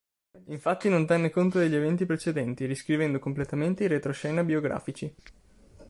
Infatti non tenne conto degli eventi precedenti, riscrivendo completamente i retroscena biografici.